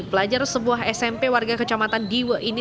pelajar sebuah smp warga kecamatan diwe ini